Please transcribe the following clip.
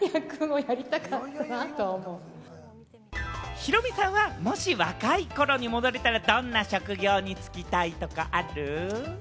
ヒロミさんは、もし若い頃に戻れたら、どんな職業に就きたいとかある？